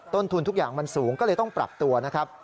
ต้นทุนทุกอย่างมันสูงก็เลยต้องปรับตัวนะครับ